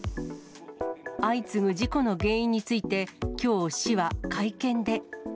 相次ぐ事故の原因について、きょう、市は会見で。